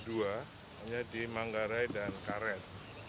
hanya di manggarai dan karet